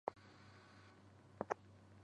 出生在洛杉矶。